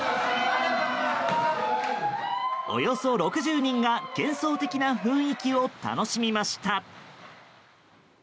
およそ６０人が幻想的な雰囲気を楽しみました。